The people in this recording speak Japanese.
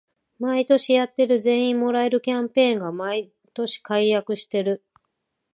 毎年やってる全員もらえるキャンペーンが毎年改悪してる